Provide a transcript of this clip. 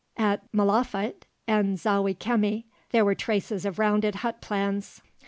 At M'lefaat and Zawi Chemi, there were traces of rounded hut plans.